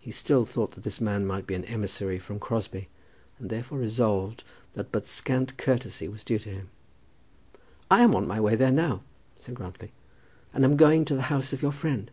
He still thought that this man might be an emissary from Crosbie, and therefore resolved that but scant courtesy was due to him. "I am on my way there now," said Grantly, "and am going to the house of your friend.